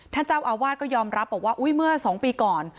ท่านเจ้าอาวาสก็ยอมรับบอกว่าอุ๊ยเมื่อ๒ปีก่อน